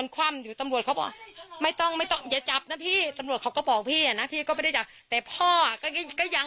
ก็ยังกระพริบกระพริบอยู่